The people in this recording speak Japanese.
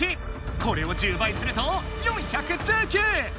これを１０倍すると４１９！